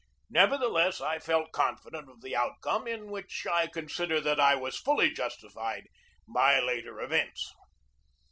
Nevertheless, I felt con fident of the outcome, in which I consider that I was fully justified by later events.